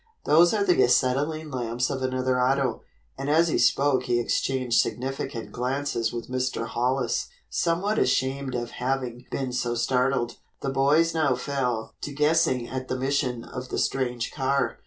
Those are the acetylene lamps of another auto," and as he spoke he exchanged significant glances with Mr. Hollis. Somewhat ashamed of having been so startled, the boys now fell to guessing at the mission of the strange car.